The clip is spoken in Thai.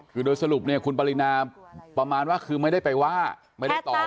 คือโดยสรุปเนี่ยคุณปรินาประมาณว่าคือไม่ได้ไปว่าไม่ได้ตอบ